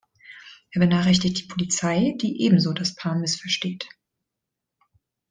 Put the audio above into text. Er benachrichtigt die Polizei, die ebenso das Paar missversteht.